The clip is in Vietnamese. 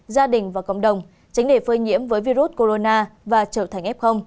gia đình và cộng đồng tránh để phơi nhiễm với virus corona và trở thành f